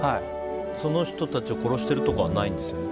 その人たちを殺してるとかはないんですよね。